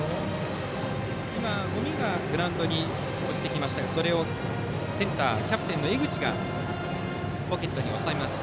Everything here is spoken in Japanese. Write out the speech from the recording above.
今、ごみがグラウンドに落ちてきましたがそれをキャプテンの江口がポケットに収めました。